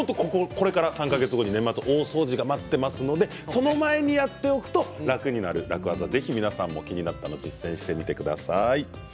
これから年末大掃除が待っていますのでその間にやっておくと楽になる楽ワザ、気になったものを皆さんも実践してみてください。